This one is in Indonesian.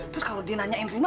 terus kalau dia nanyain rima